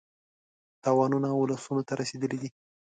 تاوانونه اولسونو ته رسېدلي دي.